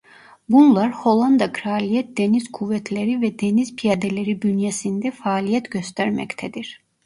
Bunlar Hollanda Kraliyet Deniz Kuvvetleri ve Deniz Piyadeleri bünyesinde faaliyet göstermektedir.